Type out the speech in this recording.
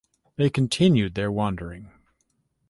They continue their wandering.